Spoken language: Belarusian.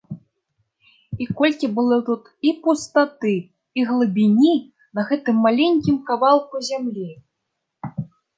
І колькі было тут і пустаты, і глыбіні на гэтым маленькім кавалку зямлі!